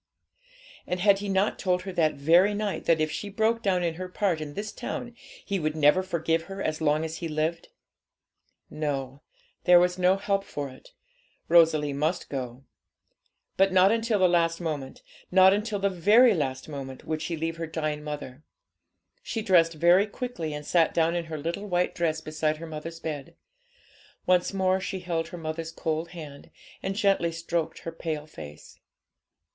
And had he not told her that very night, that if she broke down in her part in this town, he would never forgive her as long as he lived? No, there was no help for it; Rosalie must go. But not until the last moment not until the very last moment would she leave her dying mother. She dressed very quickly, and sat down in her little white dress beside her mother's bed. Once more she held her mother's cold hand, and gently stroked her pale face.